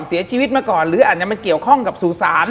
เสียชีวิตมาก่อนหรืออาจจะมาเกี่ยวข้องกับสู่ศาล